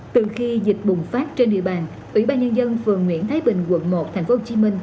từ khi dịch bùng phát trên địa bàn ủy ban nhân dân phường nguyễn thái bình quận một tp hcm